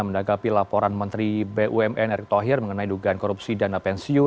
menanggapi laporan menteri bumn erick thohir mengenai dugaan korupsi dana pensiun